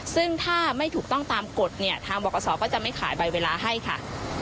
ซึ่งถ้าไม่ถูกต้องตามกฎเนี่ยทางบกษก็จะไม่ขายใบเวลาให้ค่ะ